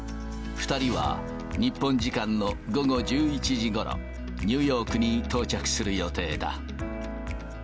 ２人は日本時間の午後１１時ごろ、ニューヨークに到着する予定だ。